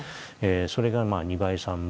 それが２倍、３倍。